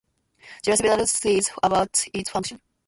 There are several theories about its function.